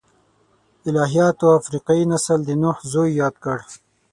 الهیاتو افریقايي نسل د نوح زوی یاد کړ.